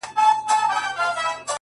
زما د زړه د كـور ډېـوې خلگ خبــري كوي _